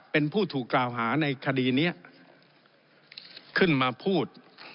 เป็นผู้ถูกกล่าวหาในคดีนี้ขึ้นมาพูด